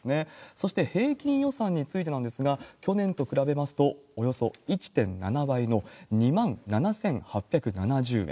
そして平均予算についてなんですが、去年と比べますと、およそ１．７倍の２万７８７０円。